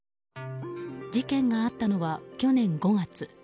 事件があったのは去年５月。